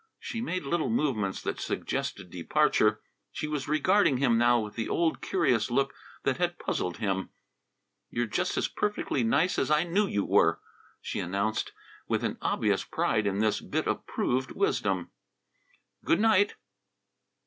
She made little movements that suggested departure. She was regarding him now with the old curious look that had puzzled him. "You're just as perfectly nice as I knew you were," she announced, with an obvious pride in this bit of proved wisdom. "Good night!"